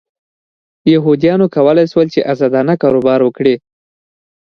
یهودیانو کولای شول چې ازادانه کاروبار وکړي.